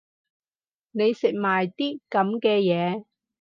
你食埋啲噉嘅嘢